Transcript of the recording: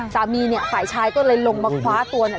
สามีเนี่ยฝ่ายชายก็เลยลงมาคว้าตัวเนี่ย